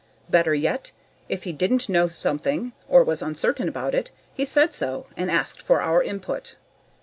Better yet, if he didn't know something, or was uncertain about it, he said so, and asked for our input.